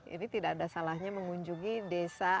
ini tidak ada salahnya mengunjungi desa